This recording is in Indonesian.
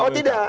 nah oh tidak